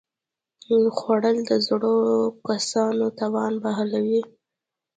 خوړل د زړو کسانو توان بحالوي